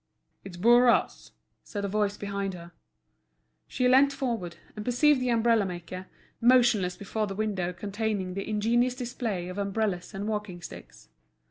"It's Bourras," said a voice behind her. She leant forward, and perceived the umbrella maker, motionless before the window containing the ingenious display of umbrellas and walking sticks.